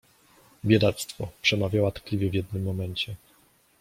— Biedactwo! — przemawiała tkliwie w jednym momencie.